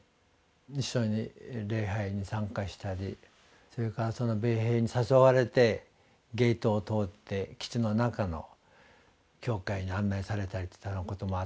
一緒に礼拝に参加したりそれからその米兵に誘われてゲートを通って基地の中の教会に案内されたりしたこともあったし。